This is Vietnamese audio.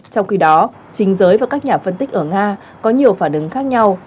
trong khi đó chính giới và các nhà phân tích ở nga có nhiều phản ứng khác nhau